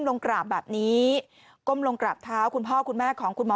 ลงกราบแบบนี้ก้มลงกราบเท้าคุณพ่อคุณแม่ของคุณหมอ